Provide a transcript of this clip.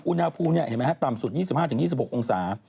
อุณหภูนิษฐ์นี่เห็นไหมฮะต่ำสุด๒๕๒๖องศา